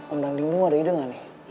om dandingmu ada ide gak nih